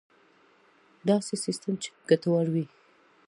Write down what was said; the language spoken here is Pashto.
داسې سیستم چې ګټور وي.